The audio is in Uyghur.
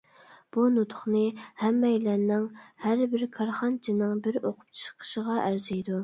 بۇ نۇتۇقنى ھەممەيلەننىڭ، ھەربىر كارخانىچىنىڭ بىر ئوقۇپ چىقىشىغا ئەرزىيدۇ.